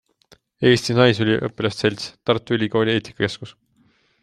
Eesti Naisüliõpilaste Selts, Tartu Ülikooli eetikakeskus.